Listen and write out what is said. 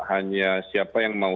hanya siapa yang mau